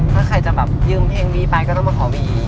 ถ้าใครจะแบบยืมเพลงนี้ไปก็ต้องมาขอวี